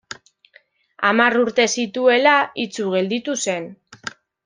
Hamar urte zituela itsu gelditu zen.